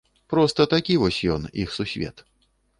Проста такі вось ён, іх сусвет.